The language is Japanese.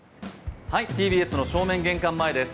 ＴＢＳの正面玄関前です。